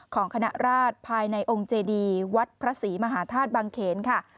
ของคณะราชภายในองค์เจดีวัดพระศรีมหาธาตุบังเขนค่ะ